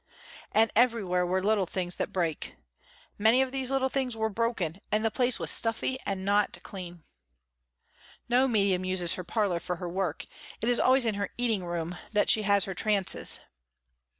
And everywhere were little things that break. Many of these little things were broken and the place was stuffy and not clean. No medium uses her parlor for her work. It is always in her eating room that she has her trances.